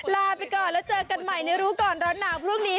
ลาไปก่อนแล้วเจอกันใหม่ในรู้ก่อนร้อนหนาวพรุ่งนี้